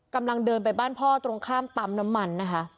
กำลังเดินไปบ้านพ่อตรงข้ามปั๊มน้ำมันนะคะ